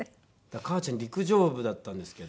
母ちゃん陸上部だったんですけど。